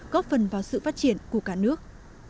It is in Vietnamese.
góp phần vào sự phát triển của cả nước